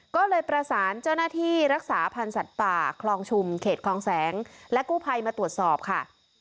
ก็เลยประสานเจ้าหน้าที่รักษาพันธ์สัตว์ป่าคลองชุมเขตคลองแสงและกู้ภัยมาตรวจสอบค่ะ